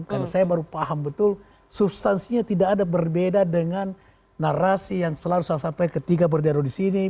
karena saya baru paham betul substansinya tidak ada berbeda dengan narasi yang selalu saya sampaikan ketika berdiri di sini